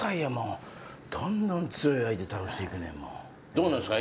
どうなんですか？